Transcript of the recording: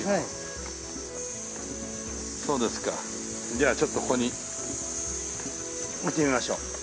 じゃあちょっとここに置いてみましょう。